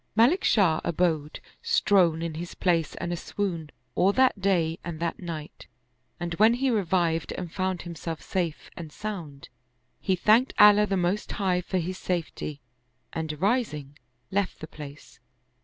Malik Shah abode strown in his place and aswoon, all that day and that night, and when he revived and found himself safe and sound, he thanked Allah the Most High for his safety and, rising, left the place.